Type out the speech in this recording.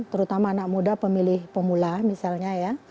terutama anak muda pemilih pemula misalnya ya